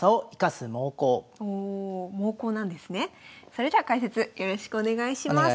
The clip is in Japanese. それでは解説よろしくお願いします。